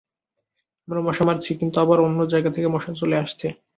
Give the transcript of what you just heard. আমরা মশা মারছি, কিন্তু আবার অন্য জায়গা থেকে মশা চলে আসছে।